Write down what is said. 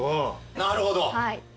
なるほど。